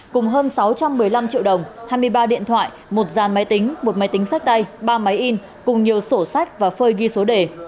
cùng hơn sáu trăm một mươi năm triệu đồng hai mươi ba điện thoại một dàn máy tính một máy tính sách tay ba máy in cùng nhiều sổ sách và phơi ghi số đề